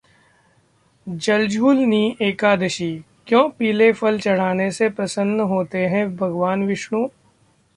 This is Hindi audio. जलझूलनी एकादशी: क्यों पीले फल चढ़ाने से प्रसन्न होते हैं भगवान विष्णु